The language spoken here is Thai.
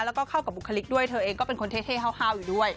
แล้วก็เข้ากับบุคลิกด้วยเธอเองก็เป็นคนเท่ห้าวอยู่ด้วย